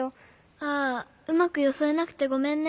ああうまくよそえなくてごめんね。